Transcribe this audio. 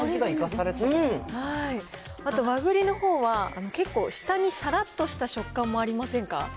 あとワグリのほうは結構、したにさらっとした食感もありませんか？